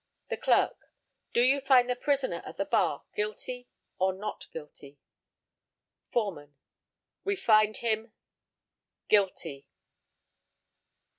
The Clerk: Do you find the prisoner at the bar guilty or not guilty? Foreman: We find him =GUILTY.